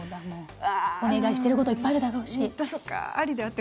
お願いしてることいっぱいあるだろうし。